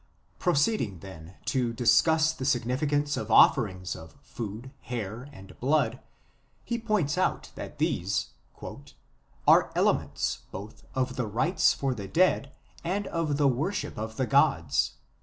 Proceeding then to discuss the significance of offerings of food, hair, and blood, 2 he points out that these " are elements both of the rites for the dead and of the worship of the gods.